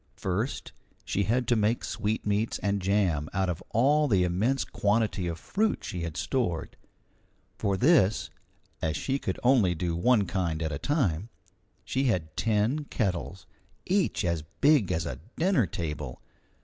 First, she had to make sweetmeats and jam out of all the immense quantity of fruit she had stored. For this, as she could only do one kind at a time, she had ten kettles, each as big as a dinner table.